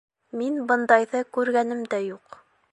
Мин бындайҙы күргәнем дә юҡ.